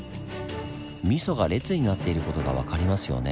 ミソが列になっている事が分かりますよねぇ。